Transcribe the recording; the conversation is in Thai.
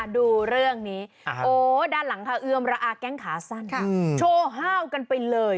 ดูเรื่องนี้โอ้ด้านหลังค่ะเอือมระอาแก๊งขาสั้นโชว์ห้าวกันไปเลย